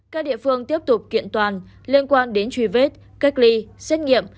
các địa phương tiếp tục kiện toàn liên quan đến truy vết cách ly xét nghiệm